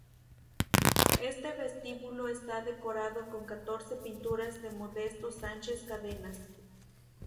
Este vestíbulo está decorado con catorce pinturas de Modesto Sánchez Cadenas.